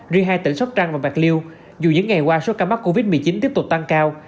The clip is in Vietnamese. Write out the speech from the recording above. riêng hai tỉnh sóc trăng và bạc liêu dù những ngày qua số ca mắc covid một mươi chín tiếp tục tăng cao